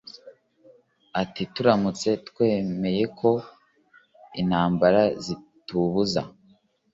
ati turamutse twemeye ko intambara zitubuza